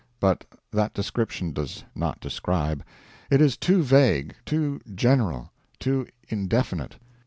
But that description does not describe; it is too vague, too general, too indefinite.